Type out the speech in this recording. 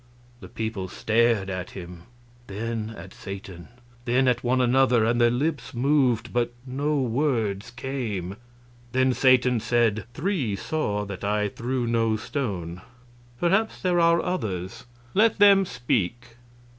The people stared at him, then at Satan, then at one another; and their lips moved, but no words came. Then Satan said: "Three saw that I threw no stone. Perhaps there are others; let them speak."